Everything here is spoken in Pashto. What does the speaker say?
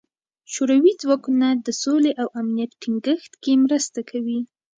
شوروي ځواکونه د سولې او امنیت ټینګښت کې مرسته کوي.